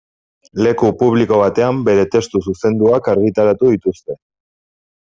Leku publiko batean bere testu zuzenduak argitaratu dituzte.